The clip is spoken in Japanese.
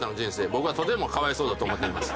僕はとてもかわいそうだと思っています。